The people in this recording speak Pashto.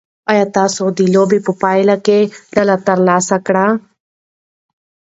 ایا تاسي د لوبې په پایله کې ډالۍ ترلاسه کړه؟